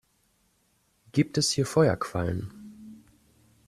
Gibt es hier Feuerquallen?